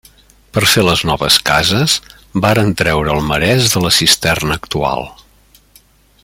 Per fer les noves cases varen treure el marès de la cisterna actual.